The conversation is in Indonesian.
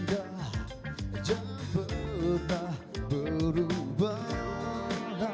jangan pernah berubah